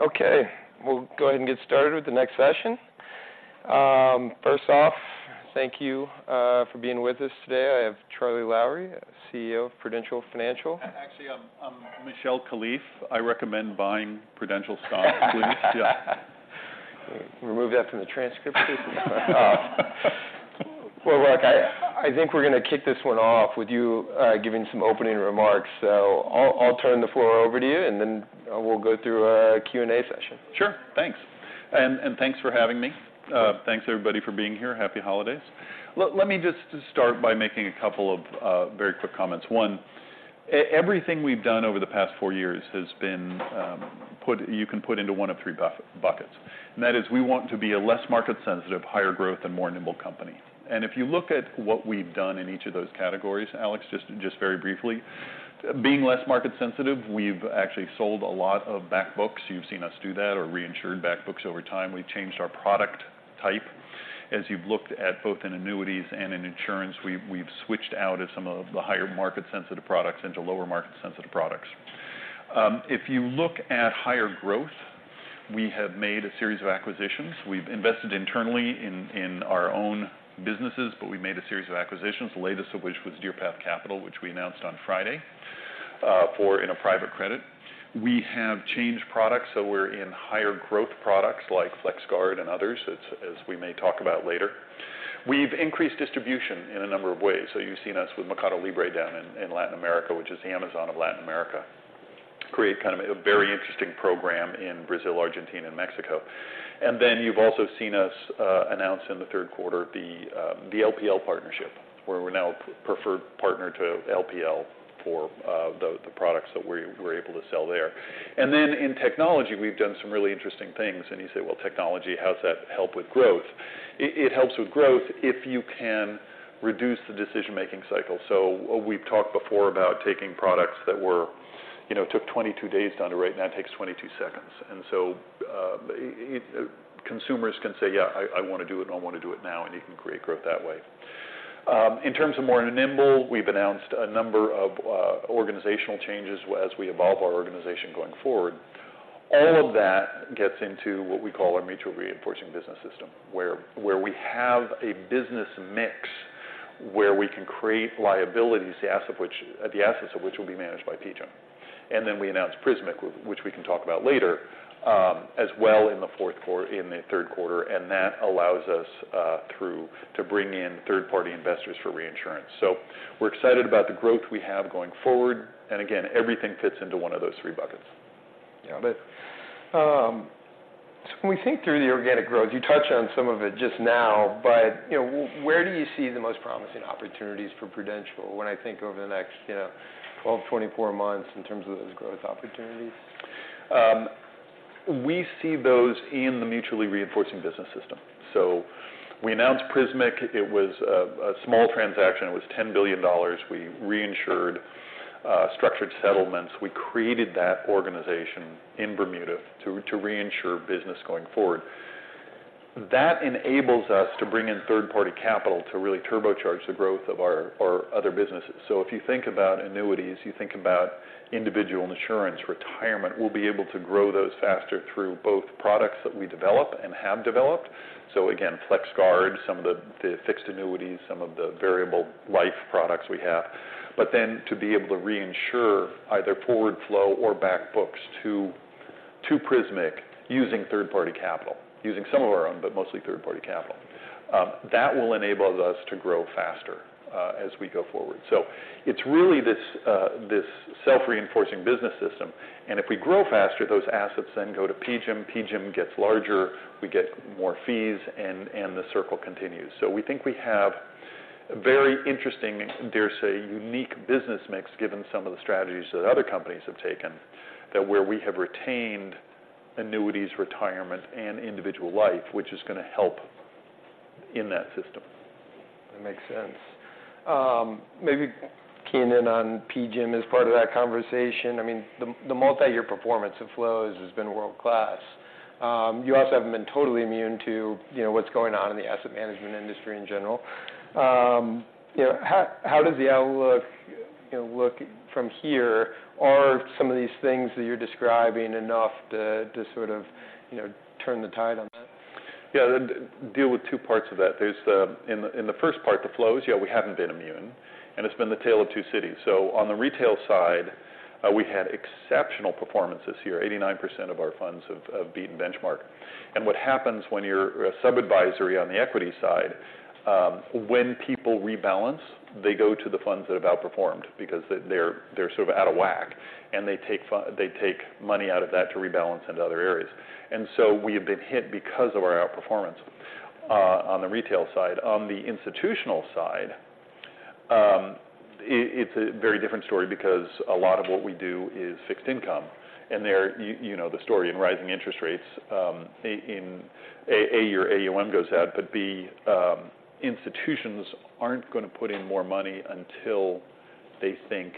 Okay, we'll go ahead and get started with the next session. First off, thank you for being with us today. I have Charlie Lowrey, CEO of Prudential Financial. Actually, I'm Michelle Kalife. I recommend buying Prudential stock, please. Remove that from the transcript, please. Well, look, I think we're gonna kick this one off with you giving some opening remarks. So I'll turn the floor over to you, and then we'll go through a Q&A session. Sure, thanks. And thanks for having me. Thanks, everybody, for being here. Happy holidays. Let me just start by making a couple of very quick comments. One, everything we've done over the past four years has been you can put into one of three buckets, and that is we want to be a less market sensitive, higher growth and more nimble company. And if you look at what we've done in each of those categories, Alex, just very briefly, being less market sensitive, we've actually sold a lot of back books. You've seen us do that or reinsured back books over time. We've changed our product type. As you've looked at both in annuities and in insurance, we've switched out some of the higher market sensitive products into lower market sensitive products. If you look at higher growth, we have made a series of acquisitions. We've invested internally in our own businesses, but we made a series of acquisitions, the latest of which was Deerpath Capital, which we announced on Friday for in a private credit. We have changed products, so we're in higher growth products like FlexGuard and others, as we may talk about later. We've increased distribution in a number of ways. So you've seen us with MercadoLibre down in Latin America, which is the Amazon of Latin America, create kind of a very interesting program in Brazil, Argentina, and Mexico. And then you've also seen us announce in the third quarter, the LPL partnership, where we're now preferred partner to LPL for the products that we're able to sell there. And then in technology, we've done some really interesting things. And you say, "Well, technology, how does that help with growth?" It, it helps with growth if you can reduce the decision-making cycle. So we've talked before about taking products that were, you know, took 22 days down to right now, it takes 22 seconds. And so, it... Consumers can say, "Yeah, I, I want to do it, and I want to do it now," and you can create growth that way. In terms of more nimble, we've announced a number of, organizational changes as we evolve our organization going forward. All of that gets into what we call our mutual reinforcing business system, where, where we have a business mix, where we can create liabilities, the asset which-- the assets of which will be managed by PGIM. And then we announced Prismic, which we can talk about later, as well in the third quarter, and that allows us through to bring in third-party investors for reinsurance. So we're excited about the growth we have going forward, and again, everything fits into one of those three buckets. Yeah, but, so when we think through the organic growth, you touched on some of it just now, but, you know, where do you see the most promising opportunities for Prudential when I think over the next, you know, 12, 24 months in terms of those growth opportunities? We see those in the mutually reinforcing business system. So we announced Prismic. It was a small transaction. It was $10 billion. We reinsured structured settlements. We created that organization in Bermuda to reinsure business going forward. That enables us to bring in third-party capital to really turbocharge the growth of our other businesses. So if you think about annuities, you think about individual insurance, retirement, we'll be able to grow those faster through both products that we develop and have developed. So again, FlexGuard, some of the fixed annuities, some of the variable life products we have. But then to be able to reinsure either forward flow or back books to Prismic, using third-party capital, using some of our own, but mostly third-party capital. That will enable us to grow faster as we go forward. So it's really this this self-reinforcing business system, and if we grow faster, those assets then go to PGIM. PGIM gets larger, we get more fees, and, and the circle continues. So we think we have a very interesting, dare say, unique business mix, given some of the strategies that other companies have taken, that where we have retained annuities, retirement, and individual life, which is gonna help in that system. That makes sense. Maybe keying in on PGIM as part of that conversation, I mean, the multiyear performance of flows has been world-class. You also haven't been totally immune to, you know, what's going on in the asset management industry in general. You know, how does the outlook look from here? Are some of these things that you're describing enough to sort of, you know, turn the tide on that? Yeah, the deal with two parts of that. There's the first part, the flows, yeah, we haven't been immune, and it's been the tale of two cities. So on the retail side, we had exceptional performance this year. 89% of our funds have beaten benchmark. And what happens when you're a sub-advisory on the equity side, when people rebalance, they go to the funds that have outperformed because they're sort of out of whack, and they take money out of that to rebalance into other areas. And so we have been hit because of our outperformance on the retail side. On the institutional side, it's a very different story because a lot of what we do is fixed income, and they're, you know, the story in rising interest rates, your AUM goes out, but, institutions aren't going to put in more money until they think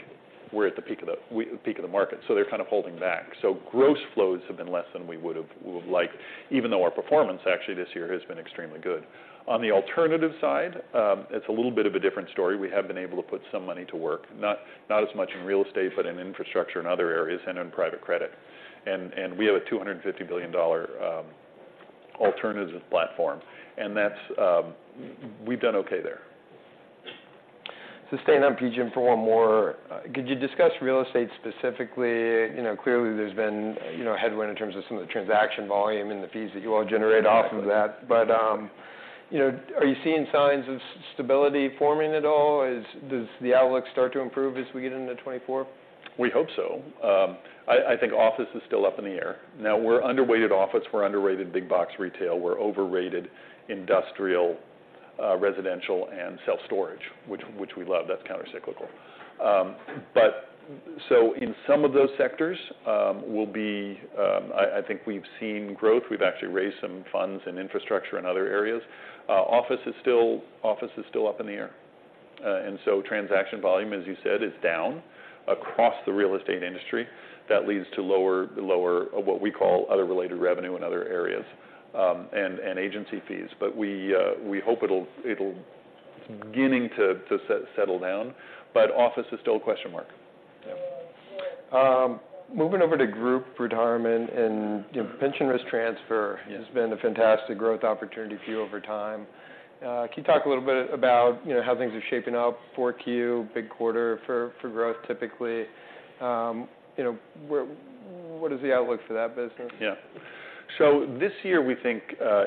we're at the peak of the market, so they're kind of holding back. So gross flows have been less than we would have, would have liked, even though our performance actually this year has been extremely good. On the alternative side, it's a little bit of a different story. We have been able to put some money to work, not, not as much in real estate, but in infrastructure and other areas and in private credit. And, and we have a $250 billion,... alternative platform, and that's, we've done okay there. Staying on PGIM for one more, could you discuss real estate specifically? You know, clearly, there's been, you know, a headwind in terms of some of the transaction volume and the fees that you all generate off of that. Yeah. But, you know, are you seeing signs of stability forming at all? Does the outlook start to improve as we get into 2024? We hope so. I think office is still up in the air. Now, we're underweight in office, we're underweight in big box retail, we're overweight in industrial, residential, and self-storage, which we love, that's countercyclical. But so in some of those sectors, we'll be. I think we've seen growth. We've actually raised some funds in infrastructure and other areas. Office is still up in the air. And so transaction volume, as you said, is down across the real estate industry. That leads to lower... what we call other related revenue in other areas, and agency fees. But we hope it'll beginning to settle down, but office is still a question mark. Yeah. Moving over to group retirement, and, you know, pension risk transfer- Yeah has been a fantastic growth opportunity for you over time. Can you talk a little bit about, you know, how things are shaping up for Q, big quarter for, for growth typically? You know, where—what is the outlook for that business? Yeah. So this year, we think,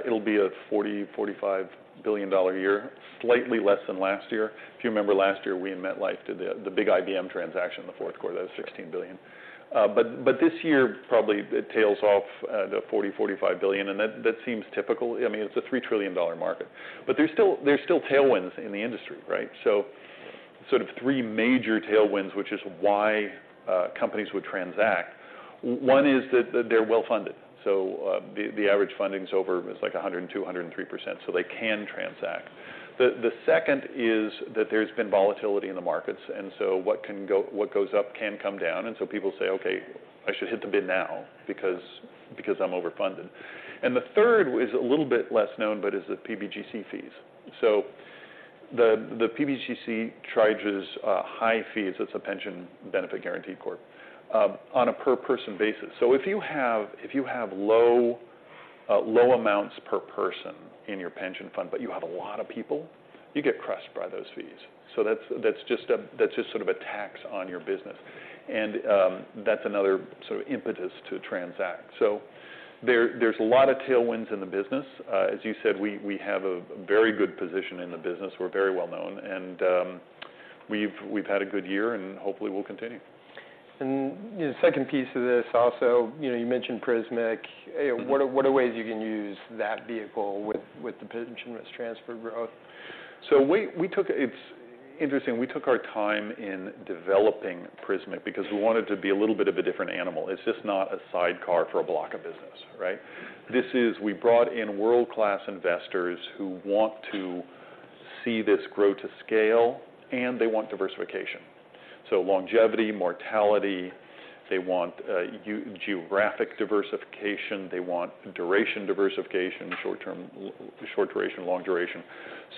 it'll be a $40-$45 billion year, slightly less than last year. If you remember, last year, we and MetLife did the big IBM transaction in the fourth quarter, that was $16 billion. But this year, probably it tails off to $40-$45 billion, and that seems typical. I mean, it's a $3 trillion market. But there's still tailwinds in the industry, right? So sort of three major tailwinds, which is why companies would transact. One is that they're well-funded, so the average funding is over, it's like 102%-103%, so they can transact. The second is that there's been volatility in the markets, and so what goes up can come down, and so people say, "Okay, I should hit the bid now because I'm overfunded." And the third is a little bit less known, but is the PBGC fees. So the PBGC charges high fees, that's a Pension Benefit Guaranty Corporation on a per person basis. So if you have low amounts per person in your pension fund, but you have a lot of people, you get crushed by those fees. So that's just sort of a tax on your business. And that's another sort of impetus to transact. So there's a lot of tailwinds in the business. As you said, we have a very good position in the business. We're very well known, and we've had a good year, and hopefully, we'll continue. You know, second piece to this also, you know, you mentioned Prismic. Mm-hmm. What are ways you can use that vehicle with the pension risk transfer growth? It's interesting, we took our time in developing Prismic because we wanted to be a little bit of a different animal. It's just not a sidecar for a block of business, right? This is, we brought in world-class investors who want to see this grow to scale, and they want diversification. So longevity, mortality, they want geographic diversification, they want duration diversification, short duration, long duration.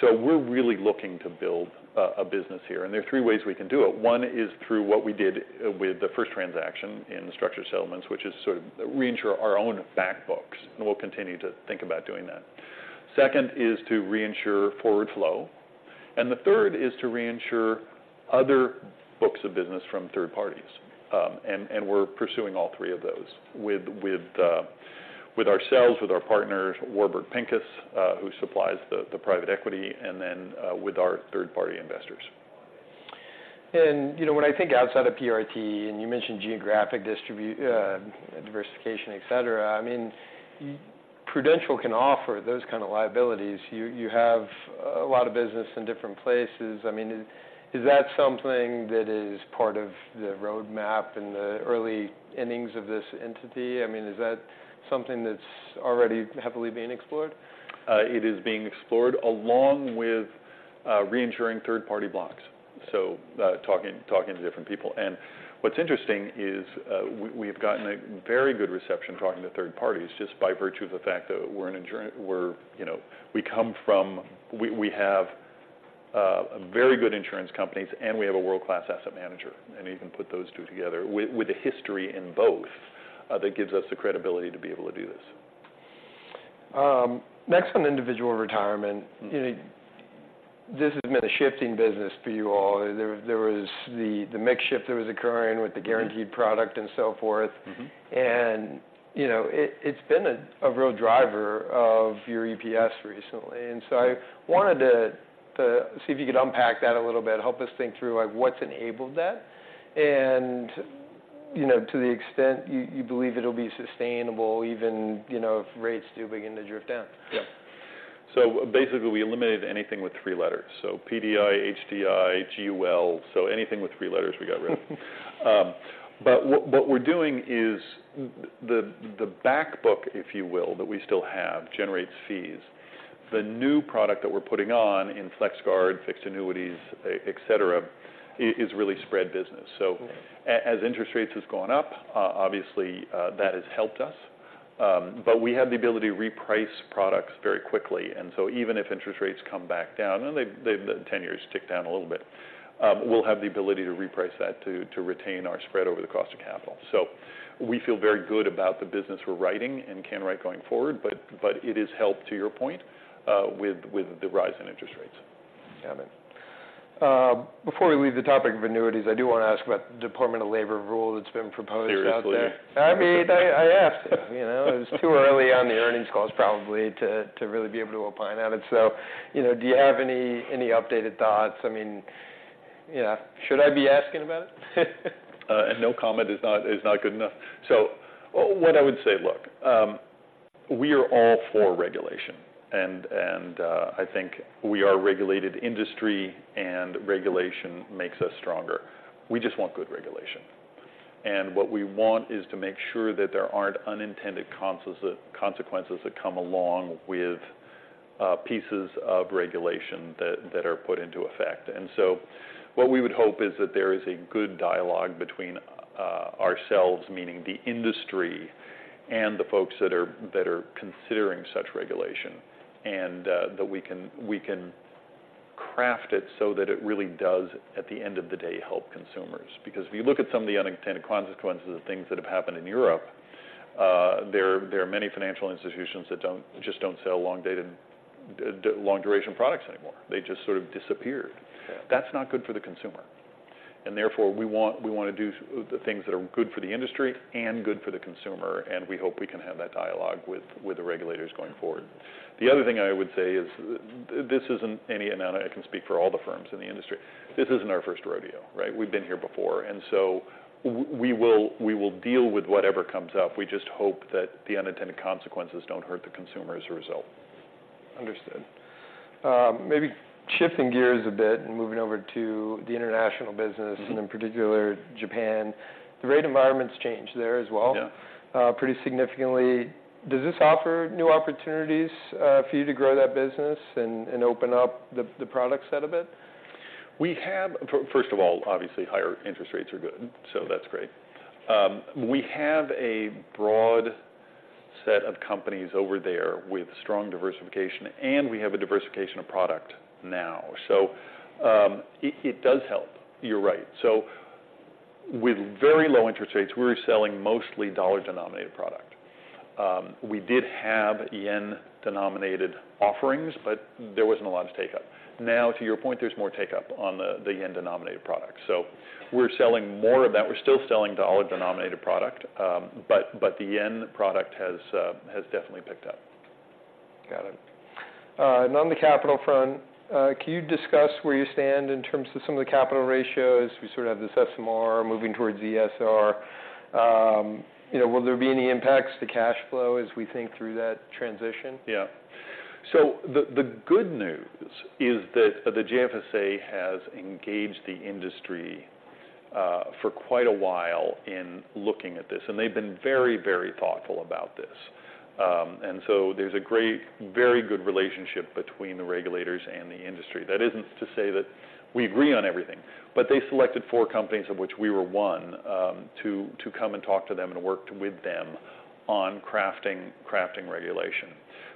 So we're really looking to build a business here, and there are three ways we can do it. One is through what we did with the first transaction in the structured settlements, which is sort of reinsure our own back books, and we'll continue to think about doing that. Second is to reinsure forward flow. And the third is to reinsure other books of business from third parties. And we're pursuing all three of those with ourselves, with our partners, Warburg Pincus, who supplies the private equity, and then with our third-party investors. You know, when I think outside of PRT, and you mentioned geographic diversification, et cetera, I mean, Prudential can offer those kind of liabilities. You have a lot of business in different places. I mean, is that something that is part of the roadmap in the early innings of this entity? I mean, is that something that's already heavily being explored? It is being explored, along with reinsuring third-party blocks, so talking to different people. And what's interesting is, we've gotten a very good reception talking to third parties, just by virtue of the fact that we're an insurance— You know, we come from—we have very good insurance companies, and we have a world-class asset manager, and you can put those two together. With a history in both, that gives us the credibility to be able to do this. Next, on individual retirement, you know, this has been a shifting business for you all. There was the mix shift that was occurring with the guaranteed product and so forth. Mm-hmm. You know, it's been a real driver of your EPS recently, and so I wanted to see if you could unpack that a little bit. Help us think through, like, what's enabled that, and, you know, to the extent you believe it'll be sustainable, even, you know, if rates do begin to drift down. Yeah. So basically, we eliminated anything with three letters: so PDI, HDI, GUL, so anything with three letters, we got rid of. But what we're doing is the back book, if you will, generates fees. The new product that we're putting on in FlexGuard, fixed annuities, et cetera, is really spread business. Mm-hmm. So as interest rates has gone up, obviously, that has helped us. But we have the ability to reprice products very quickly, and so even if interest rates come back down, and they've 10 years tick down a little bit, we'll have the ability to reprice that to retain our spread over the cost of capital. So we feel very good about the business we're writing and can write going forward, but it has helped, to your point, with the rise in interest rates. Yeah, I mean, before we leave the topic of annuities, I do want to ask about the Department of Labor rule that's been proposed out there. Seriously? I mean, I asked, you know. It's too early on the earnings calls probably to really be able to opine on it. So, you know, do you have any updated thoughts? I mean, yeah, should I be asking about it? And no comment is not good enough. So what I would say, look, we are all for regulation, and I think we are a regulated industry, and regulation makes us stronger. We just want good regulation. And what we want is to make sure that there aren't unintended consequences that come along with pieces of regulation that are put into effect. And so what we would hope is that there is a good dialogue between ourselves, meaning the industry, and the folks that are considering such regulation, and that we can craft it so that it really does, at the end of the day, help consumers. Because if you look at some of the unintended consequences of things that have happened in Europe, there are many financial institutions that don't just don't sell long dated, long duration products anymore. They just sort of disappeared. Yeah. That's not good for the consumer. And therefore, we want, we wanna do the things that are good for the industry and good for the consumer, and we hope we can have that dialogue with, with the regulators going forward. The other thing I would say is this isn't any, and I know I can speak for all the firms in the industry, this isn't our first rodeo, right? We've been here before, and so we will, we will deal with whatever comes up. We just hope that the unintended consequences don't hurt the consumer as a result. Understood. Maybe shifting gears a bit and moving over to the international business- Mm-hmm... and in particular, Japan. The rate environment's changed there as well- Yeah... pretty significantly. Does this offer new opportunities, for you to grow that business and open up the product set a bit? First of all, obviously, higher interest rates are good, so that's great. We have a broad set of companies over there with strong diversification, and we have a diversification of product now. So, it does help. You're right. So with very low interest rates, we were selling mostly dollar-denominated product. We did have yen-denominated offerings, but there wasn't a lot of take-up. Now, to your point, there's more take-up on the yen-denominated products, so we're selling more of that. We're still selling dollar-denominated product, but the yen product has definitely picked up. Got it. And on the capital front, can you discuss where you stand in terms of some of the capital ratios? We sort of have this SMR moving towards ESR. You know, will there be any impacts to cash flow as we think through that transition? Yeah. So the good news is that the JFSA has engaged the industry for quite a while in looking at this, and they've been very, very thoughtful about this. And so there's a great, very good relationship between the regulators and the industry. That isn't to say that we agree on everything, but they selected four companies, of which we were one, to come and talk to them and work with them on crafting regulation.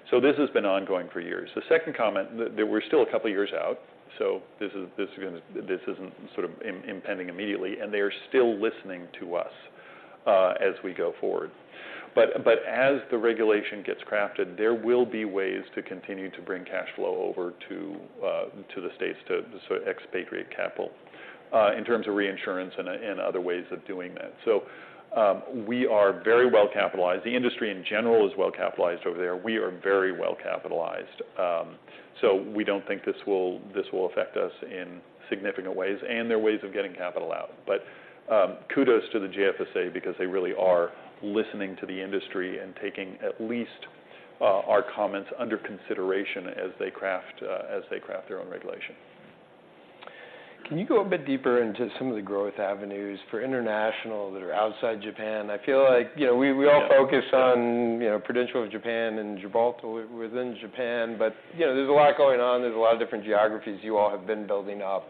So this has been ongoing for years. The second comment, that we're still a couple of years out, so this is gonna—this isn't sort of impending immediately, and they are still listening to us as we go forward. But as the regulation gets crafted, there will be ways to continue to bring cash flow over to the States, to sort of expatriate capital in terms of reinsurance and other ways of doing that. So, we are very well capitalized. The industry, in general, is well capitalized over there. We are very well capitalized. So, we don't think this will affect us in significant ways, and there are ways of getting capital out. But, kudos to the JFSA because they really are listening to the industry and taking at least our comments under consideration as they craft their own regulation. Can you go a bit deeper into some of the growth avenues for international that are outside Japan? I feel like, you know, we all- Yeah... focus on, you know, Prudential of Japan and Gibraltar within Japan, but, you know, there's a lot going on. There's a lot of different geographies you all have been building up.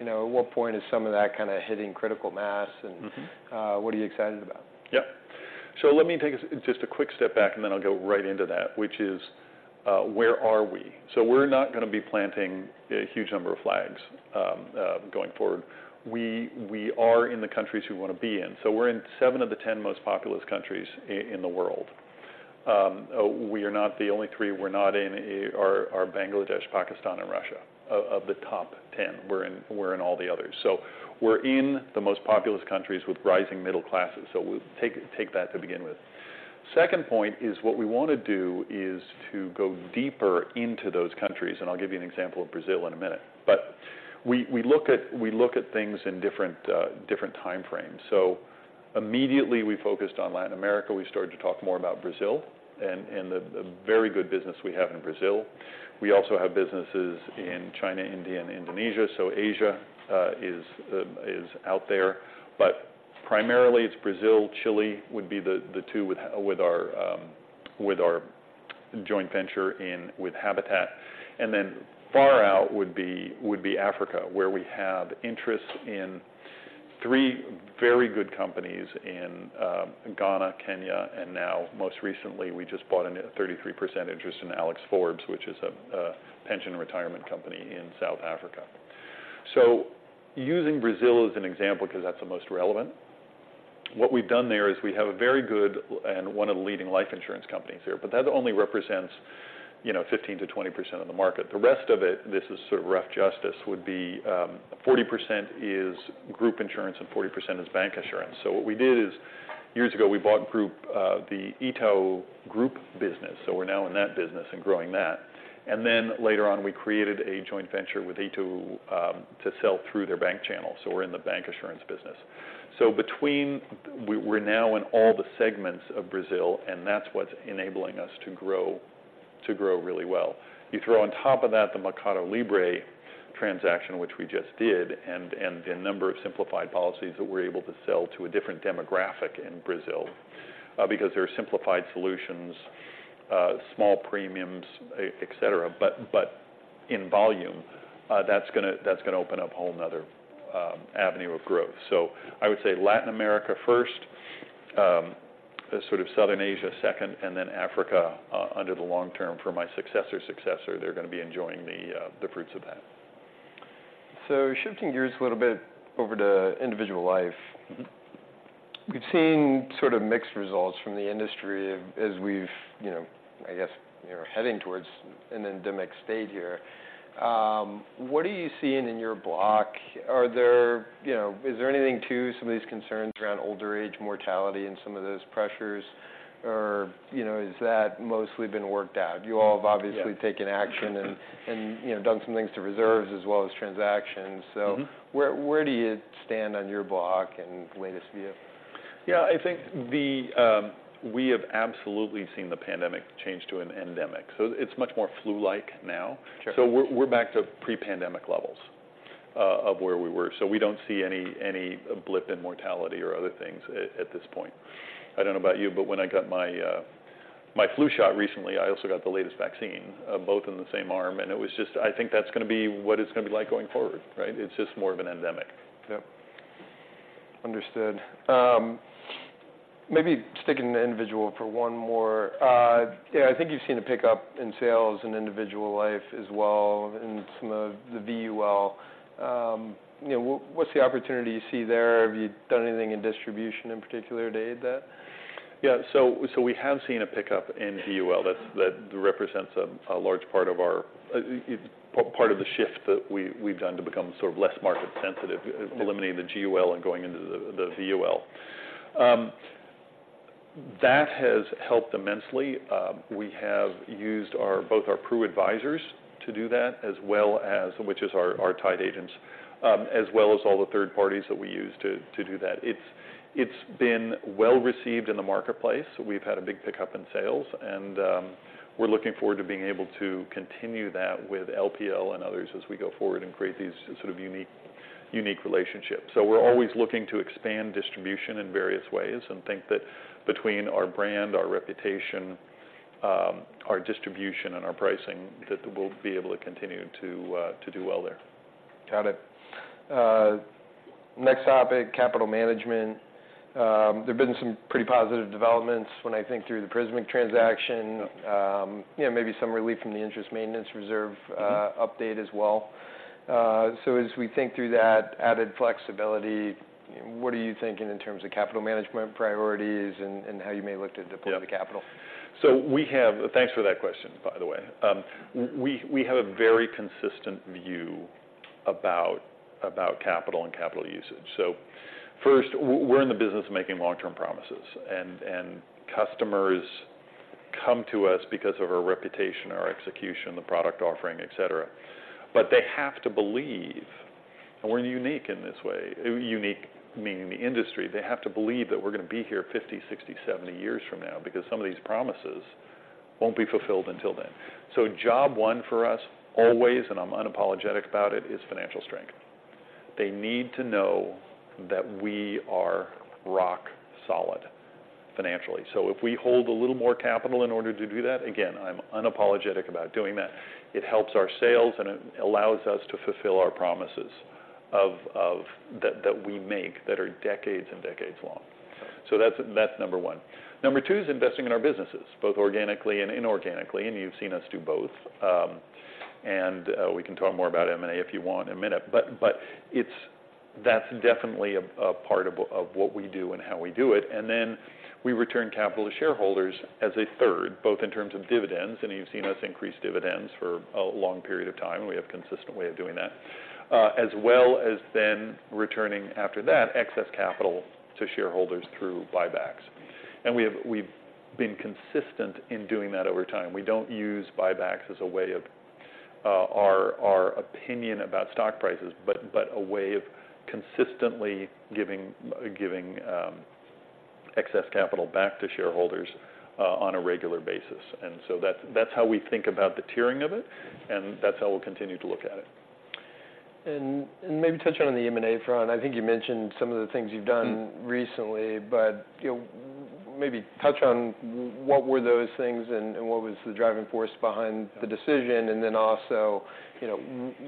You know, at what point is some of that kind of hitting critical mass, and- Mm-hmm... what are you excited about? Yeah. So let me take us just a quick step back, and then I'll go right into that, which is, where are we? So we're not gonna be planting a huge number of flags going forward. We are in the countries we want to be in. So we're in 7 of the 10 most populous countries in the world. We are not the only three we're not in are Bangladesh, Pakistan, and Russia, of the top 10. We're in all the others. So we're in the most populous countries with rising middle classes, so we'll take that to begin with. Second point is what we want to do is to go deeper into those countries, and I'll give you an example of Brazil in a minute. But we look at things in different time frames. So immediately, we focused on Latin America. We started to talk more about Brazil and the very good business we have in Brazil. We also have businesses in China, India, and Indonesia, so Asia is out there. But primarily, it's Brazil, Chile would be the two with our joint venture with Habitat. And then far out would be Africa, where we have interest in three very good companies in Ghana, Kenya, and now most recently, we just bought a 33% interest in Alex Forbes, which is a pension retirement company in South Africa. So using Brazil as an example, because that's the most relevant-... What we've done there is we have a very good and one of the leading life insurance companies there, but that only represents, you know, 15%-20% of the market. The rest of it, this is sort of rough justice, would be, forty percent is group insurance and forty percent is bank insurance. So what we did is, years ago, we bought group, the Itaú group business, so we're now in that business and growing that. And then later on, we created a joint venture with Itaú, to sell through their bank channel. So we're in the bank insurance business. So we're now in all the segments of Brazil, and that's what's enabling us to grow, to grow really well. You throw on top of that the MercadoLibre transaction, which we just did, and the number of simplified policies that we're able to sell to a different demographic in Brazil, because they're simplified solutions, small premiums, et cetera. But in volume, that's gonna open up a whole other avenue of growth. So I would say Latin America first, sort of Southern Asia second, and then Africa, under the long term for my successor's successor. They're gonna be enjoying the fruits of that. Shifting gears a little bit over to individual life. Mm-hmm. We've seen sort of mixed results from the industry as we've, you know, I guess, you know, heading towards an endemic state here. What are you seeing in your block? Are there, you know, is there anything to some of these concerns around older age mortality and some of those pressures? Or, you know, is that mostly been worked out? You all have obviously- Yeah ...taken action and, you know, done some things to reserves as well as transactions. Mm-hmm. So where do you stand on your block and the latest view? Yeah, I think we have absolutely seen the pandemic change to an endemic, so it's much more flu-like now. Sure. We're back to pre-pandemic levels of where we were. We don't see any blip in mortality or other things at this point. I don't know about you, but when I got my flu shot recently, I also got the latest vaccine both in the same arm, and it was just... I think that's gonna be what it's gonna be like going forward, right? It's just more of an endemic. Yep. Understood. Maybe sticking to individual for one more. Yeah, I think you've seen a pickup in sales and individual life as well, in some of the VUL. You know, what, what's the opportunity you see there? Have you done anything in distribution in particular to aid that? Yeah, so we have seen a pickup in VUL. That represents a large part of our part of the shift that we've done to become sort of less market sensitive- Mm-hmm... eliminating the GUL and going into the VUL. That has helped immensely. We have used both our PruAdvisors to do that, as well as, which is our tied agents, as well as all the third parties that we use to do that. It's been well-received in the marketplace. We've had a big pickup in sales, and we're looking forward to being able to continue that with LPL and others as we go forward and create these sort of unique relationships. So we're always looking to expand distribution in various ways, and think that between our brand, our reputation, our distribution, and our pricing, that we'll be able to continue to do well there. Got it. Next topic, capital management. There have been some pretty positive developments when I think through the Prismic transaction- Yep... you know, maybe some relief from the Interest Maintenance Reserve- Mm-hmm... update as well. So as we think through that added flexibility, what are you thinking in terms of capital management priorities and how you may look to deploy- Yeah... the capital? So we have. Thanks for that question, by the way. We have a very consistent view about capital and capital usage. So first, we're in the business of making long-term promises, and customers come to us because of our reputation, our execution, the product offering, et cetera. But they have to believe, and we're unique in this way, unique meaning the industry. They have to believe that we're gonna be here 50, 60, 70 years from now, because some of these promises won't be fulfilled until then. So job one for us always and I'm unapologetic about it, is financial strength. They need to know that we are rock solid financially. So if we hold a little more capital in order to do that, again, I'm unapologetic about doing that. It helps our sales, and it allows us to fulfill our promises of that we make that are decades and decades long. So that's number one. Number two is investing in our businesses, both organically and inorganically, and you've seen us do both. And we can talk more about M&A if you want in a minute, but it's, that's definitely a part of what we do and how we do it. And then we return capital to shareholders as a third, both in terms of dividends, and you've seen us increase dividends for a long period of time. We have a consistent way of doing that. As well as then returning, after that, excess capital to shareholders through buybacks. We've been consistent in doing that over time. We don't use buybacks as a way of our opinion about stock prices, but a way of consistently giving excess capital back to shareholders on a regular basis. And so that's how we think about the tiering of it, and that's how we'll continue to look at it. And maybe touch on the M&A front. I think you mentioned some of the things you've done- Mm-hmm... recently, but you know, maybe touch on what were those things, and what was the driving force behind the decision? And then also, you know,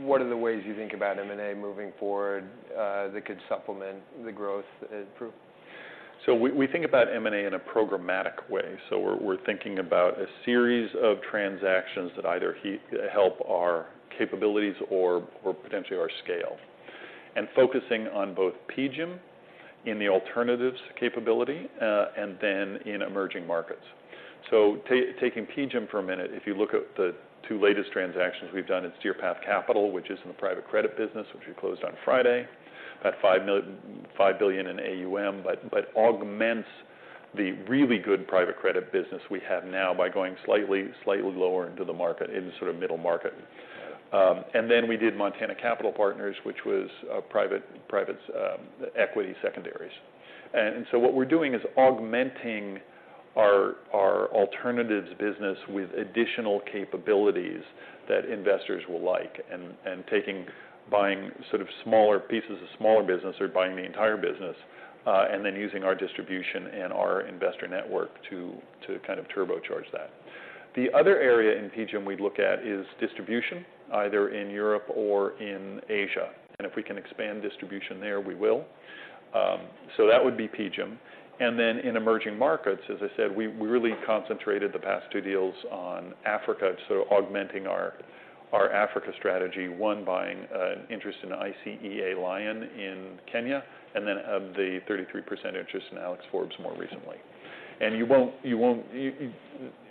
what are the ways you think about M&A moving forward, that could supplement the growth and improve? So we think about M&A in a programmatic way. So we're thinking about a series of transactions that either help our capabilities or potentially our scale... and focusing on both PGIM, in the alternatives capability, and then in emerging markets. So taking PGIM for a minute, if you look at the two latest transactions we've done, it's Deerpath Capital, which is in the private credit business, which we closed on Friday. About $5 billion in AUM, but augments the really good private credit business we have now by going slightly lower into the market, in the sort of middle market. And then we did Montana Capital Partners, which was a private equity secondaries. And so what we're doing is augmenting our alternatives business with additional capabilities that investors will like, and buying sort of smaller pieces of smaller business or buying the entire business, and then using our distribution and our investor network to kind of turbocharge that. The other area in PGIM we'd look at is distribution, either in Europe or in Asia, and if we can expand distribution there, we will. So that would be PGIM. And then in emerging markets, as I said, we really concentrated the past two deals on Africa, so augmenting our Africa strategy, one, buying an interest in ICEA Lion in Kenya, and then the 33% interest in Alex Forbes more recently.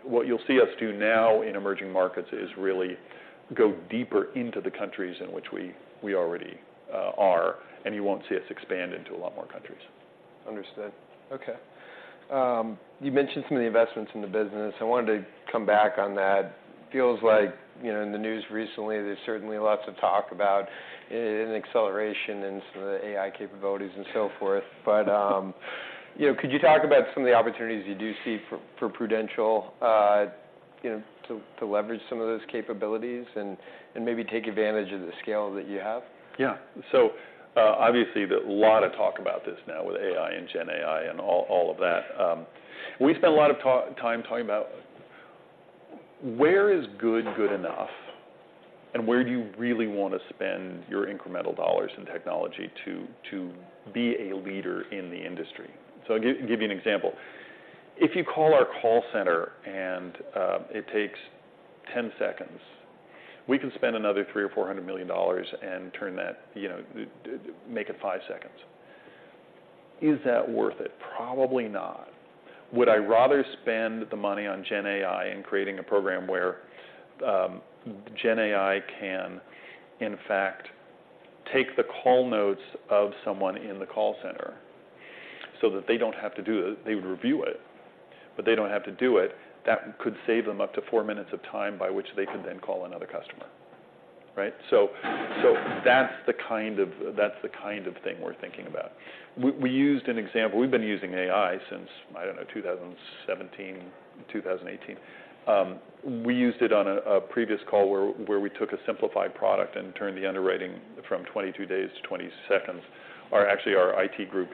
What you'll see us do now in emerging markets is really go deeper into the countries in which we already are, and you won't see us expand into a lot more countries. Understood. Okay. You mentioned some of the investments in the business. I wanted to come back on that. Feels like, you know, in the news recently, there's certainly lots of talk about an acceleration in some of the AI capabilities and so forth. But, you know, could you talk about some of the opportunities you do see for, for Prudential, you know, to, to leverage some of those capabilities and, and maybe take advantage of the scale that you have? Yeah. So, obviously, a lot of talk about this now with AI and Gen AI and all, all of that. We spent a lot of time talking about where is good, good enough, and where do you really want to spend your incremental dollars in technology to be a leader in the industry? So I'll give you an example. If you call our call center, and it takes 10 seconds, we can spend another $300 million-$400 million and turn that, you know, make it 5 seconds. Is that worth it? Probably not. Would I rather spend the money on Gen AI and creating a program where Gen AI can, in fact, take the call notes of someone in the call center so that they don't have to do it? They would review it, but they don't have to do it. That could save them up to 4 minutes of time, by which they could then call another customer, right? So that's the kind of, that's the kind of thing we're thinking about. We used an example—we've been using AI since, I don't know, 2017, 2018. We used it on a previous call, where we took a simplified product and turned the underwriting from 22 days to 20 seconds. Actually, our IT group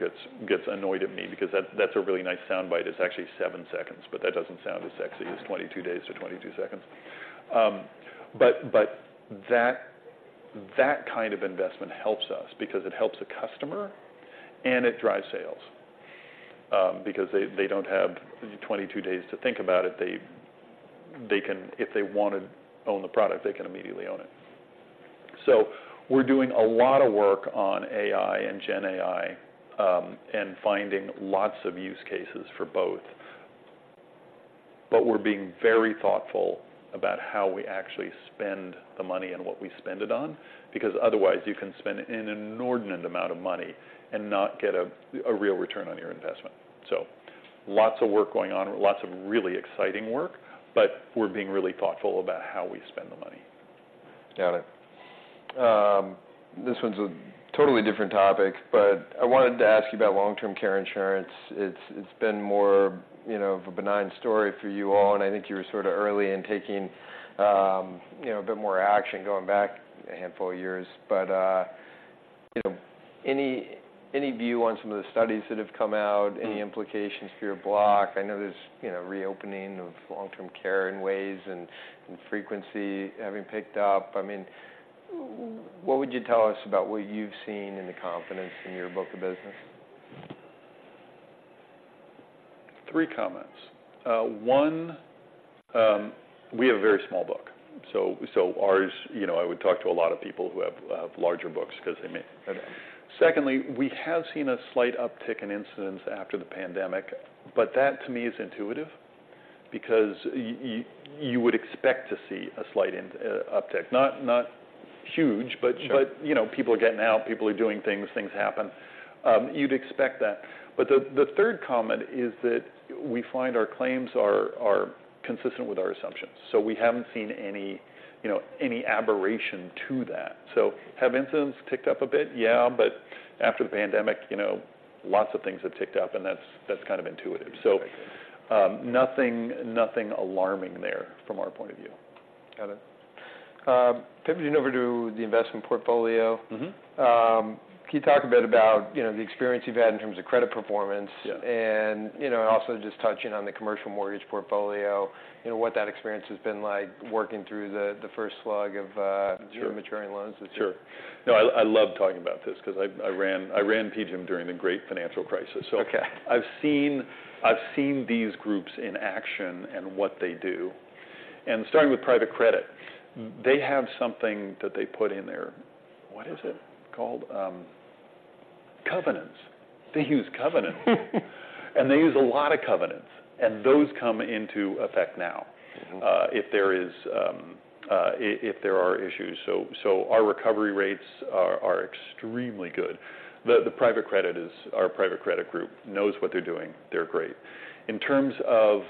gets annoyed at me because that's a really nice soundbite. It's actually 7 seconds, but that doesn't sound as sexy as 22 days to 22 seconds. But that kind of investment helps us because it helps the customer, and it drives sales, because they don't have 22 days to think about it. They can... If they want to own the product, they can immediately own it. So we're doing a lot of work on AI and Gen AI, and finding lots of use cases for both. But we're being very thoughtful about how we actually spend the money and what we spend it on, because otherwise, you can spend an inordinate amount of money and not get a real return on your investment. So lots of work going on, lots of really exciting work, but we're being really thoughtful about how we spend the money. Got it. This one's a totally different topic, but I wanted to ask you about long-term care insurance. It's, it's been more, you know, of a benign story for you all, and I think you were sort of early in taking, you know, a bit more action, going back a handful of years. But, you know, any, any view on some of the studies that have come out, any implications for your block? I know there's, you know, reopening of long-term care in ways and, and frequency having picked up. I mean, what would you tell us about what you've seen and the confidence in your book of business? Three comments. One, we have a very small book, so ours— You know, I would talk to a lot of people who have larger books because they may... Secondly, we have seen a slight uptick in incidents after the pandemic, but that, to me, is intuitive because you would expect to see a slight uptick. Not huge- Sure... but you know, people are getting out, people are doing things, things happen. You'd expect that. But the third comment is that we find our claims are consistent with our assumptions, so we haven't seen any, you know, any aberration to that. So have incidents ticked up a bit? Yeah, but after the pandemic, you know, lots of things have ticked up, and that's kind of intuitive. So, nothing, nothing alarming there, from our point of view. Got it. Pivoting over to the investment portfolio. Mm-hmm. Can you talk a bit about, you know, the experience you've had in terms of credit performance? Yeah. You know, also just touching on the commercial mortgage portfolio, you know, what that experience has been like working through the first slug of Sure... maturing loans this year. Sure. No, I love talking about this 'cause I ran PGIM during the Great Financial Crisis, so- Okay... I've seen these groups in action and what they do... and starting with private credit, they have something that they put in there. What is it called? Covenants. They use covenants. And they use a lot of covenants, and those come into effect now- Mm-hmm... if there are issues. So our recovery rates are extremely good. The private credit is our private credit group knows what they're doing. They're great. In terms of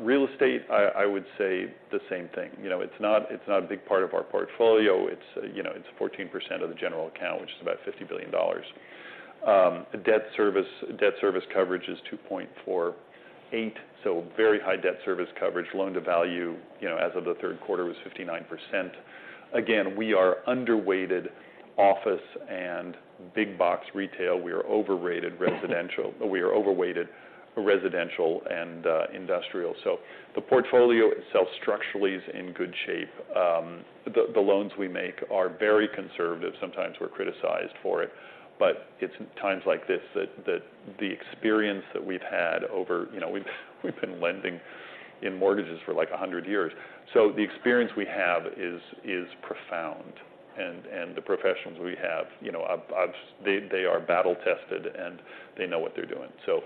real estate, I would say the same thing. You know, it's not a big part of our portfolio. It's, you know, it's 14% of the general account, which is about $50 billion. Debt service coverage is 2.48, so very high debt service coverage. Loan-to-value, you know, as of the third quarter, was 59%. Again, we are underweighted office and big-box retail. We are overrated residential... we are overweighted residential and industrial. So the portfolio itself structurally is in good shape. The loans we make are very conservative. Sometimes we're criticized for it, but it's times like this that the experience that we've had over... You know, we've been lending in mortgages for, like, 100 years, so the experience we have is profound, and the professionals we have, you know, they are battle-tested, and they know what they're doing, so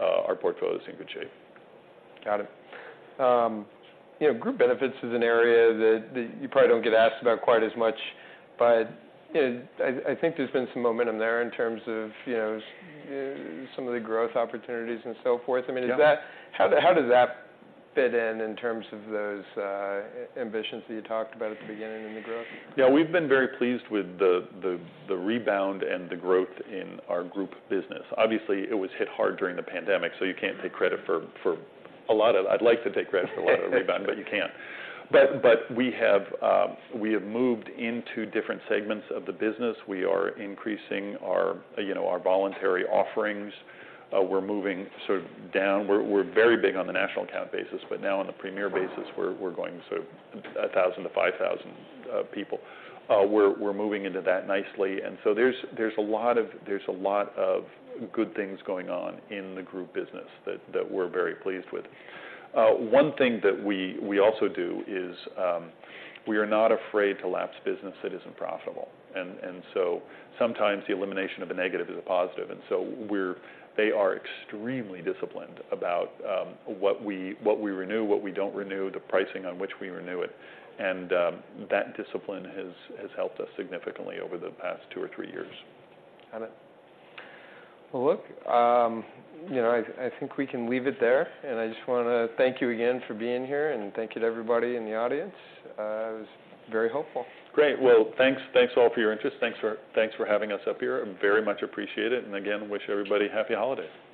our portfolio is in good shape. Got it. You know, group benefits is an area that you probably don't get asked about quite as much, but, you know, I think there's been some momentum there in terms of, you know, some of the growth opportunities and so forth. Yeah. I mean, how does that fit in, in terms of those ambitions that you talked about at the beginning in the growth? Yeah, we've been very pleased with the rebound and the growth in our group business. Obviously, it was hit hard during the pandemic, so you can't take credit for a lot of... I'd like to take credit for a lot of the rebound... but you can't. But we have moved into different segments of the business. We are increasing our, you know, our voluntary offerings. We're moving sort of down. We're very big on the national account basis, but now on the premier basis, we're going sort of 1,000-5,000 people. We're moving into that nicely, and so there's a lot of good things going on in the group business that we're very pleased with. One thing that we also do is we are not afraid to lapse business that isn't profitable, and so sometimes the elimination of a negative is a positive. And so they are extremely disciplined about what we renew, what we don't renew, the pricing on which we renew it, and that discipline has helped us significantly over the past two or three years. Got it. Well, look, you know, I think we can leave it there, and I just wanna thank you again for being here, and thank you to everybody in the audience. It was very helpful. Great. Well, thanks all for your interest. Thanks for having us up here. I very much appreciate it, and again, wish everybody happy holidays.